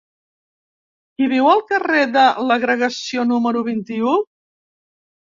Qui viu al carrer de l'Agregació número vint-i-u?